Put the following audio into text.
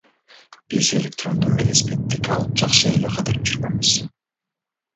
Биз электрондук велосипед алып жакшы эле кыдырып жүргөнбүз.